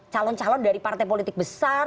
calon calon dari partai politik besar